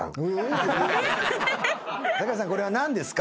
酒井さんこれは何ですか？